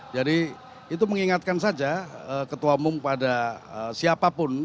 jadi itu mengingatkan saja ketua umum pada siapapun